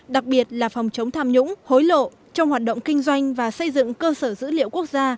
đặc biệt là phòng chống tham nhũng hối lộ trong hoạt động kinh doanh và xây dựng cơ sở dữ liệu quốc gia